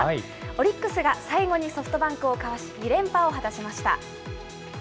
オリックスが最後にソフトバンクをかわし、２連覇を達成しました。